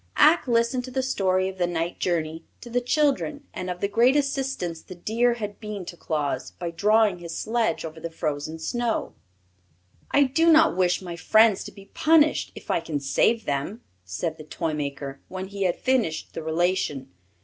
Ak listened to the story of the night journey to the children and of the great assistance the deer had been to Claus by drawing his sledge over the frozen snow. "I do not wish my friends to be punished if I can save them," said the toy maker, when he had finished the relation.